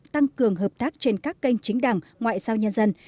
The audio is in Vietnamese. tăng cường hợp tác trên các kênh chính đảng ngoại giao nhân dân